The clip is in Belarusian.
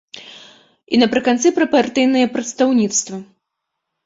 І напрыканцы пра партыйнае прадстаўніцтва.